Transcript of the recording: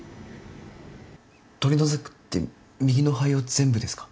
取り除くって右の肺を全部ですか？